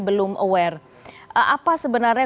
belum aware apa sebenarnya